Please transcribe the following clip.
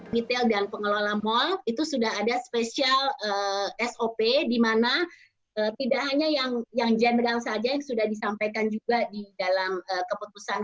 retail dan pengelola mal itu sudah ada spesial sop di mana tidak hanya yang general saja yang sudah disampaikan juga di dalam keputusan